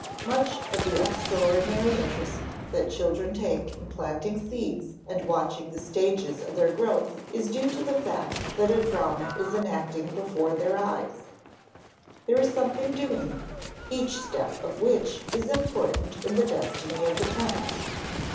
Much of the extraordinary interest that children take in planting seeds and watching the stages of their growth is due to the fact that a drama is enacting before their eyes; there is something doing, each step of which is important in the destiny of the plant.